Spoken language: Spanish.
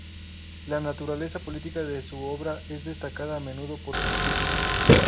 La naturaleza política de su obra es destacada a menudo por sus críticos.